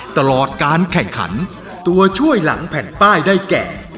ตลอดการแข่งขันตัวช่วยหลังแผ่นป้ายได้แก่